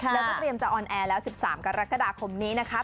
แล้วก็เตรียมจะออนแอร์แล้ว๑๓กรกฎาคมนี้นะคะ